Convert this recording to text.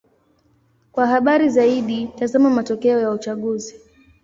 Kwa habari zaidi: tazama matokeo ya uchaguzi.